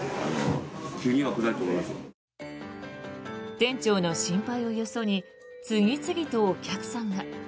店長の心配をよそに次々とお客さんが。